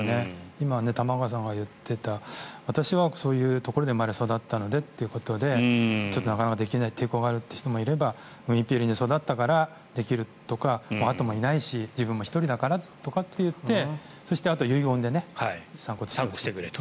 今、玉川さんが言っていた私はそういうところで生まれ育ったのでなかなかできない抵抗があるという方もいれば海っぺりで育ったからできるとかあとがもういないし自分１人だからそして、あと遺言で散骨してくれと。